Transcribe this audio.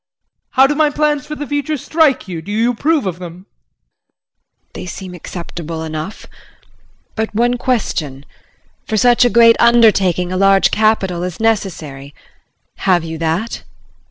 How do my plans for the future strike you? Do you approve of them? JULIE. They seem acceptable enough. But one question. For such a great undertaking a large capital is necessary, have you that?